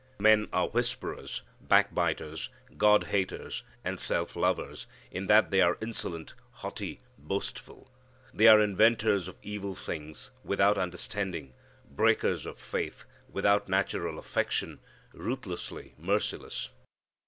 Men are whisperers, backbiters, God haters, and self lovers, in that they are insolent, haughty, boastful. They are inventors of evil things, without understanding, breakers of faith, without natural affection, ruthlessly merciless.